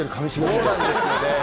そうなんですよね。